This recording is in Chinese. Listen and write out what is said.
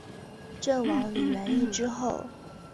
郑王李元懿之后。